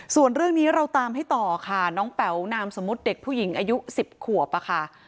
ส่วนเรื่องนี้เราตามให้ต่อค่ะน้องแป๋วนามสมมุติเด็กผู้หญิงอายุ๑๐ขวบค่ะ